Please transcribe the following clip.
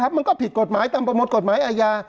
มันก็ผิดกฎหมายตามประมวลกฎหมายอาญา